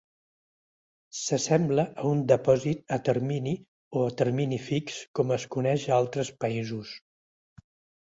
S"assembla a un depòsit a termini o a termini fix com es coneix a altres països.